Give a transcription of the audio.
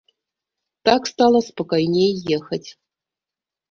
Так стала спакайней ехаць.